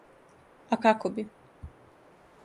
А како би?